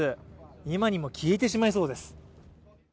今にも消えてしまいそうです。